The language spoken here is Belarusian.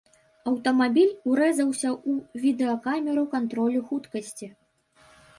Аўтамабіль урэзаўся ў відэакамеру кантролю хуткасці.